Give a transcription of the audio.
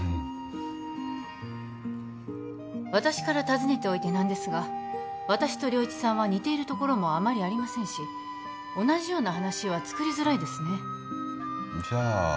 私から尋ねておいて何ですが私と良一さんは似ているところもあまりありませんし同じような話はつくりづらいですねじゃ